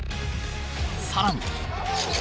さらに。